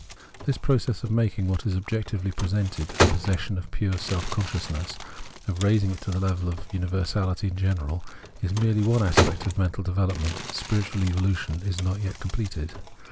This process of making what is objectively presented a possession of pm:e self consciousness, of raising it to the level of universahty in general, is merely one aspect of mental development ; spiritual evolution is not yet completed.